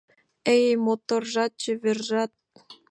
Эй, моторжат, чевержат